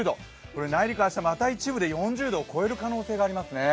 これ内陸、明日また一部で４０度を超える可能性がありますね。